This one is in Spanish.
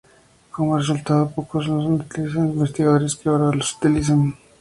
Como resultado pocos son los investigadores que ahora la utilizan.